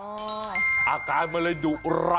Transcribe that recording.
มาครั้งนี้มันจะมากินกินขนุนครับ